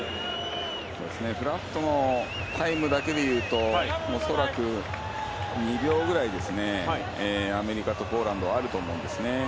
フラットのタイムだけで言うとおそらく２秒ぐらいアメリカとポーランドはあると思うんですね。